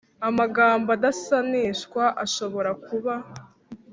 amagambo adasanishwa ashobora kuba